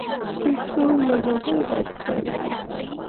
د پیسو لګول باید پلان ولري.